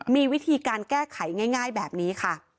มีวิธีการแก้ไขง่ายแบบนี้ค่ะ